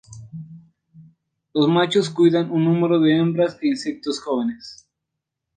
Los machos cuidan un número de hembras e insectos jóvenes.